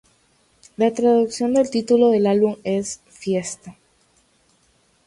La traducción del título del álbum es "fiesta".